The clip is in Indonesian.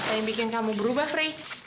apa yang bikin kamu berubah pri